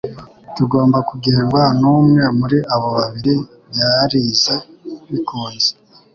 Tugomba kugengwa n'umwe muri abo babiri byarize bikunze,